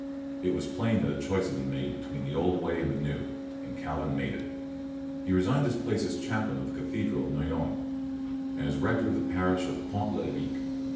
It was plain that a choice must be made between the old way and the new, and Calvin made it. Fie resigned his place as chaplain of the cathedral of Noyon, and r as rector of the parish of Pont 1'Eveque.